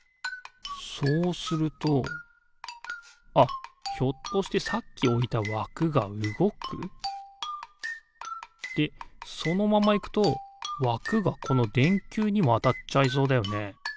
そうするとあっひょっとしてさっきおいたわくがうごく？でそのままいくとわくがこのでんきゅうにもあたっちゃいそうだよね。